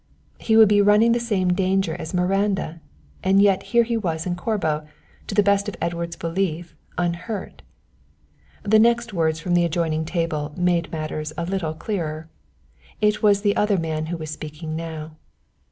He would be running the same danger as Miranda, and yet here he was in Corbo, to the best of Edward's belief, unhurt. The next words from the adjoining table made matters a little clearer. It was the other man who was speaking now.